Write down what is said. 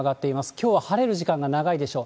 きょうは晴れる時間が長いでしょう。